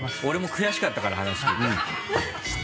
俺も悔しかったから話聞いて。